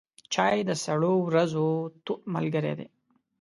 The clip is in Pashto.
چای د سړو ورځو تود ملګری دی.